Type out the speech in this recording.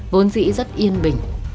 vốn dĩ rất yên bình